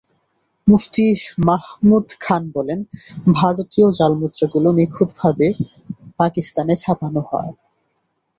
মুফতি মাহমুদ খান বলেন, ভারতীয় জাল মুদ্রাগুলো নিখুঁতভাবে পাকিস্তানে ছাপানো হয়।